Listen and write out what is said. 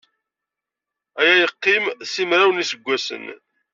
Aya yeqqim simraw n yiseggasen.